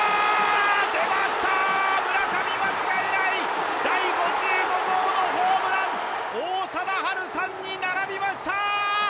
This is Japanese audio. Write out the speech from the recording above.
出ました村上間違いない第５５号のホームラン王貞治さんに並びました！